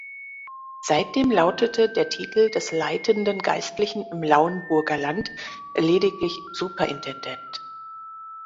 Seitdem lautete der Titel des leitenden Geistlichen im Lauenburger Land lediglich „Superintendent“.